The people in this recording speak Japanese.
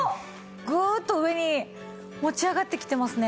ぐっと上に持ち上がってきてますね